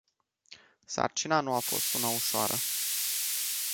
Sarcina nu a fost una ușoară.